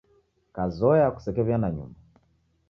Kazoya kusekew'uya nanyuma.